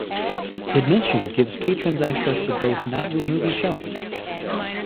Admission gives patrons access to both nightly movie showings.